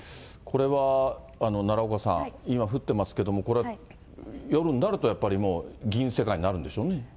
これは奈良岡さん、今降ってますけれども、これ、夜になるとやっぱり銀世界になるんでしょうね。